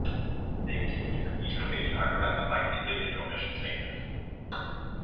The activities of each Committee are directed by an individual mission statement.